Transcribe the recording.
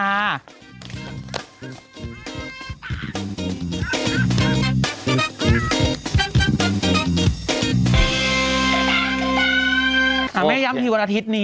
ค่ะไม่ได้ย่ำถึงวันอาทิตย์